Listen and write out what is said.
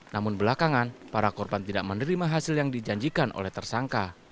namun belakangan para korban tidak menerima hasil yang dijanjikan oleh tersangka